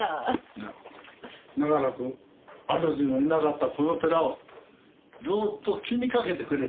いや長らく主のいなかったこの寺をずっと気にかけてくれてた。